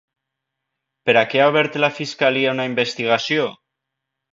Per a què ha obert la fiscalia una investigació?